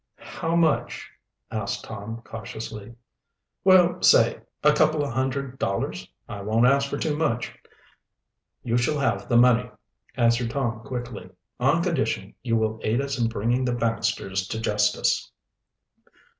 "How much?" asked Tom cautiously. "Well, say a couple of hundred dollars. I won't ask for too much." "You shall have the money," answered Tom quickly, "on condition you will aid us in bringing the Baxters to justice."